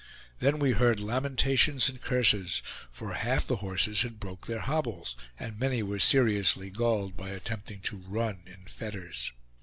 Then we heard lamentations and curses; for half the horses had broke their hobbles, and many were seriously galled by attempting to run in fetters.